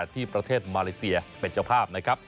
ที่ประเทศมาเลเซียเป็นเจ้าภาพนะครับ